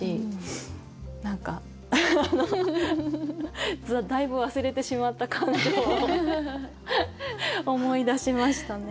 何かだいぶ忘れてしまった感情を思い出しましたね。